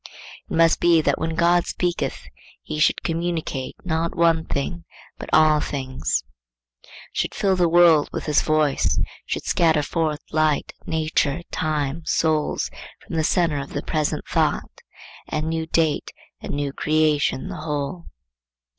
It must be that when God speaketh he should communicate, not one thing, but all things; should fill the world with his voice; should scatter forth light, nature, time, souls, from the centre of the present thought; and new date and new create the whole.